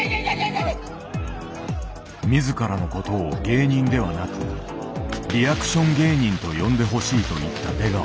自らのことを芸人ではなく「リアクション芸人」と呼んでほしいと言った出川。